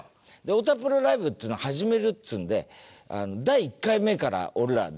太田プロライブっていうのを始めるっつうんで第１回目から俺らは出てるんだけど。